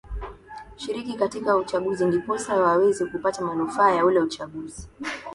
shiriki katika uchaguzi ndiposa waweze kupata manufaa ya ule uchaguzi